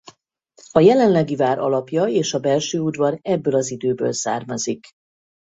A jelenlegi vár alapja és a belső udvar ebből az időből származik.